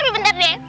tapi bentar deh